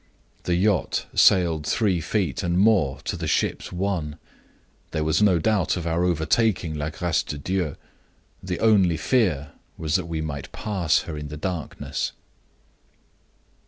The yacht sailed three feet and more to the ship's one. There was no doubt of our overtaking La Grace de Dieu; the only fear was that we might pass her in the darkness.